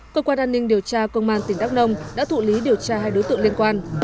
công an tỉnh đắk nông đã thụ lý điều tra hai đối tượng liên quan